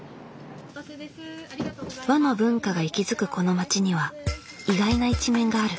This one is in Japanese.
和の文化が息づくこの町には意外な一面がある。